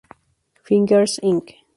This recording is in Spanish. Fingers Inc.